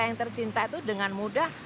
yang tercinta itu dengan mudah